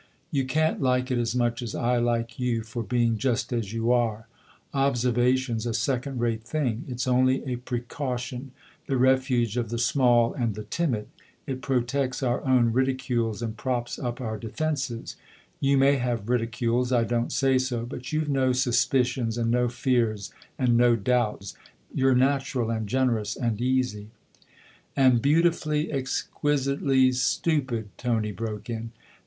" You can't like it as much as I like you for being just as you are. Observation's a second rate thing ; it's only a precaution the refuge of the small and the timid. It protects our own ridicules and props up our defences. You may have ridicules I don't say so ; but you've no suspicions and no fears and no doubts; you're natural and generous and easy "" And beautifully, exquisitely stupid !" Tony broke in.